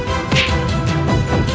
mari kita berbincang